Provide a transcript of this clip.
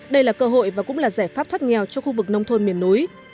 đây là cơ hội và cũng là giải pháp thoát nghèo cho khu vực nông thôn miền núi